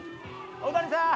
大谷さん！